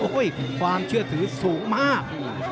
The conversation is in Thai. ความเชื่อถือสูงมาก